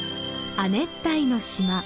亜熱帯の島